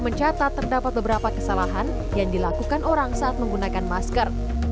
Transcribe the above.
mencatat terdapat beberapa kesalahan yang dilakukan orang saat menggunakan masker